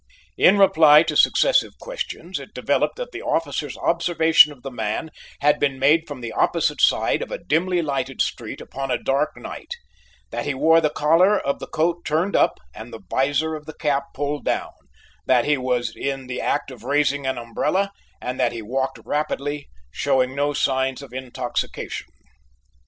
In reply to successive questions, it developed that the officer's observation of the man had been made from the opposite side of a dimly lighted street upon a dark night; that he wore the collar of the coat turned up and the vizor of the cap pulled down, that he was in the act of raising an umbrella, and that he walked rapidly, showing no signs of intoxication.